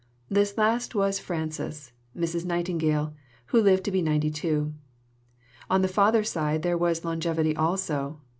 This last was Frances, Mrs. Nightingale, who lived to be 92. On the father's side there was longevity also.